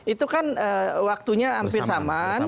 itu kan waktunya hampir sama